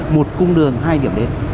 một cung đường hai điểm đến